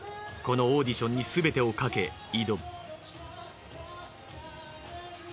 このオーディションにすべてを賭け挑む。